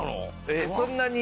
そんなに？